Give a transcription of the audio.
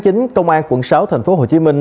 công an quận sáu thành phố hồ chí minh